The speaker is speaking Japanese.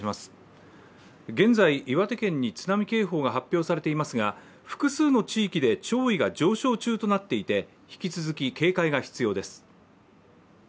現在、岩手県に津波警報が発表されていますが複数の地域で潮位が上昇中となっていて、引き続き警戒が必要です。